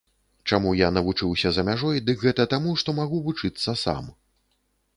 Чаму я навучыўся за мяжой, дык гэта таму, што магу вучыцца сам.